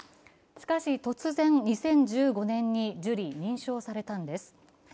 しかし突然２０１５年に受理・認証されたんです。